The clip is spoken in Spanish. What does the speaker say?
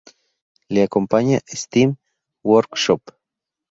Le acompaña "Steam Workshop".